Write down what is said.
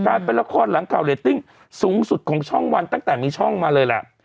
เป็นละครหลังข่าวเรตติ้งสูงสุดของช่องวันตั้งแต่มีช่องมาเลยแหละ